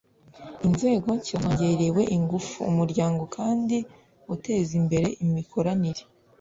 Inzego nshya zongerewe ingufu, Umuryango kandi uteza imbere imikoranire